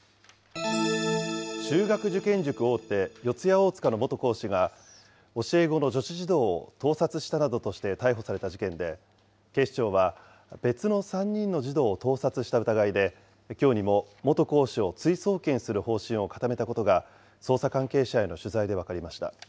中学受験塾大手、四谷大塚の元講師が、教え子の女子児童を盗撮したなどとして逮捕された事件で、警視庁は別の３人の児童を盗撮した疑いで、きょうにも元講師を追送検する方針を固めたことが捜査関係者への取材で分かりました。